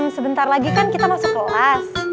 sebentar lagi kan kita masuk kelas